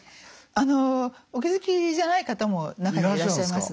あのお気付きじゃない方も中にはいらっしゃいますね。